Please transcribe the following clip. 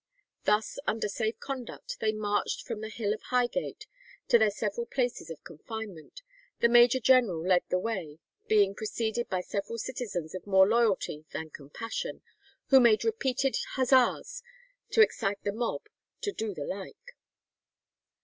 Thus under safe conduct they marched from the Hill of Highgate to their several places of confinement. The major general led the way, being "preceded by several citizens of more loyalty than compassion, who made repeated huzzas to excite the mob to do the like."